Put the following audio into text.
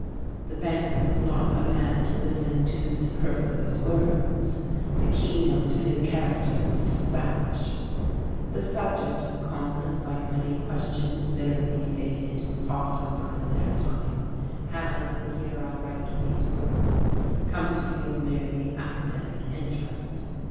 The banker was not a man to listen to superfluous words. The keynote of his character was despatch.... The subject of the conference, like many questions bitterly debated and fought over in their time, has in the year I write these words come to be of merely academic interest.